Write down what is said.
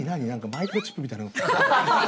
マイクロチップみたいなのが。